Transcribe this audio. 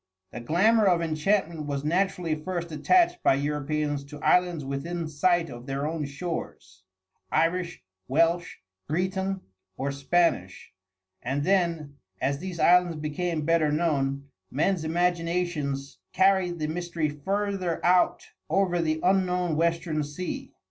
The glamour of enchantment was naturally first attached by Europeans to islands within sight of their own shores Irish, Welsh, Breton, or Spanish, and then, as these islands became better known, men's imaginations carried the mystery further out over the unknown western sea.